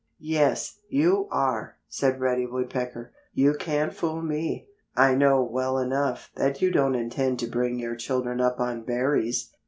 "Yes, you are," said Reddy Woodpecker. "You can't fool me. I know well enough that you don't intend to bring your children up on berries.